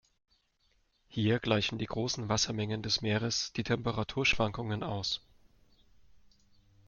Hier gleichen die großen Wassermengen des Meeres die Temperaturschwankungen aus.